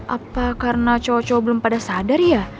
apa karena cowok cowok belum pada sadar ya